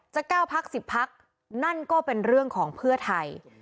๙พัก๑๐พักนั่นก็เป็นเรื่องของเพื่อไทย